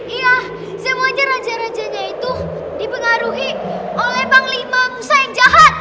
iya semuanya raja raja nya itu dipengaruhi oleh panglima musa yang jahat